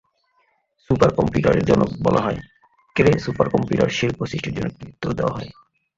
"সুপারকম্পিউটারের জনক" বলা হয়, ক্রে সুপারকম্পিউটার শিল্প সৃষ্টির জন্য কৃতিত্ব দেওয়া হয়।